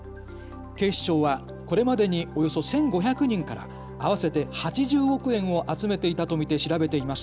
警視庁は、これまでにおよそ１５００人から合わせて８０億円を集めていたと見て調べています。